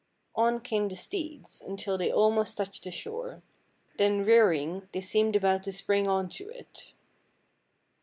On came the steeds, until they almost touched the shore, then rear ing, they seemed about to spring on to it.